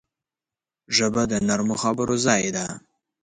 ژبه د نرمو خبرو ځای ده